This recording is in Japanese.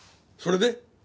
それで？